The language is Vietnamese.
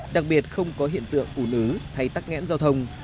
đặc biệt không có hiện tượng ủn ứ hay tắc nghẽn giao thông